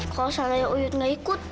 kalau salahnya uyut gak ikut